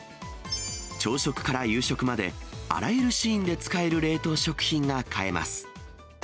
朝食から夕食まで、あらゆるシーンで使える冷凍食品が買えます。